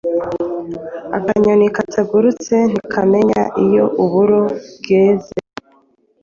Akanyoni katagurutse ntikamenya iyo uburo bweze.